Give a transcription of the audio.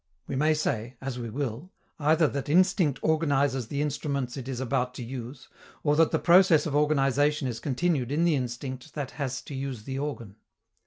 We may say, as we will, either that instinct organizes the instruments it is about to use, or that the process of organization is continued in the instinct that has to use the organ.